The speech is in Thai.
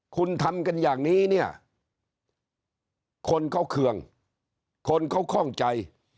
คุณทำกันอย่างนี้เนี่ยคนเขาเคืองคนเขาคล่องใจ